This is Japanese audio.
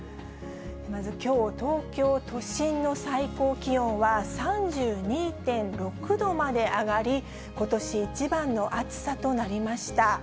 まずきょう、東京都心の最高気温は３２．６度まで上がり、ことし一番の暑さとなりました。